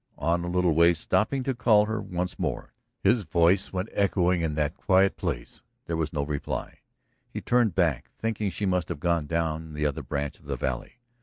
On a little way, stopping to call her once more. His voice went echoing in that quiet place, but there was no reply. He turned back, thinking she must have gone down the other branch of the valley.